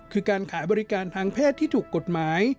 คือการขายบริการทางเพศที่ถูกกฎหมาย